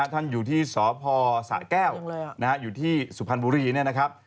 ท่านอยู่ที่สพสะแก้วอยู่ที่สุพรรณบุรีเนี่ยนะครับ